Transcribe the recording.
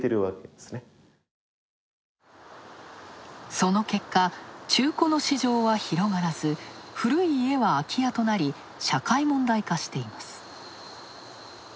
その結果、中古の市場は広がらず古い家は空き家となり社会問題化しています。